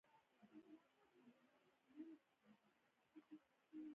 شتمن هغه دی چې د خپل مال له برکته نور ژوندي ساتي.